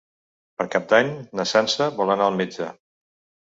Per Cap d'Any na Sança vol anar al metge.